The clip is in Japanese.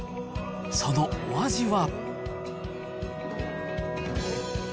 そのお味は。